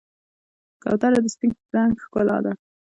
کوتره د سپین رنګ ښکلا ده.